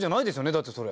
だってそれ。